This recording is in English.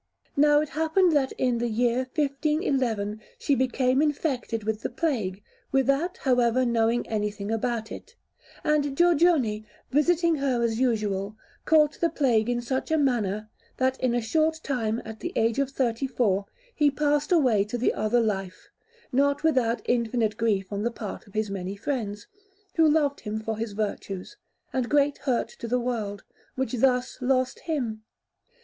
Now it happened that in the year 1511 she became infected with plague, without, however, knowing anything about it; and Giorgione, visiting her as usual, caught the plague in such a manner, that in a short time, at the age of thirty four, he passed away to the other life, not without infinite grief on the part of his many friends, who loved him for his virtues, and great hurt to the world, which thus lost him.